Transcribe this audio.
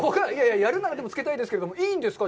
やるならつけたいですけど、いいんですか？